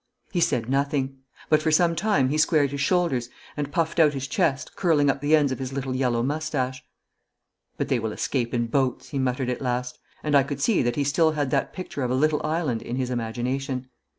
He said nothing, but for some time he squared his shoulders and puffed out his chest, curling up the ends of his little yellow moustache. 'But they will escape in boats,' he muttered at last; and I could see that he had still that picture of a little island in his imagination.